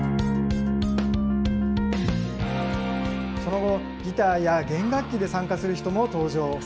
その後、ギターや弦楽器で参加する人も登場。